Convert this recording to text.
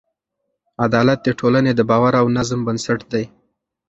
عدالت د ټولنې د باور او نظم بنسټ دی.